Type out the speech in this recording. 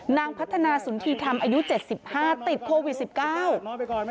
นางพัฒนาสุนทีธรรมอายุ๗๕ติดโควิด๑๙